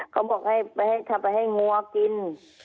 เขาบอกให้ไปให้งัวกิน